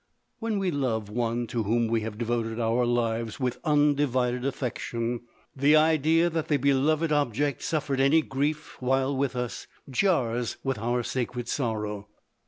When we love one to whom we have devoted our lives with undivided affection, the idea that the beloved object suf fered any grief while with us, jars with our sacred sorrow.